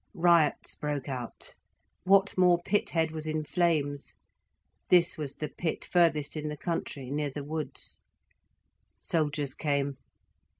Riots broke out, Whatmore pit head was in flames. This was the pit furthest in the country, near the woods. Soldiers came.